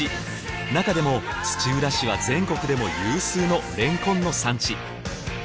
中でも土浦市は全国でも有数のれんこんの産地。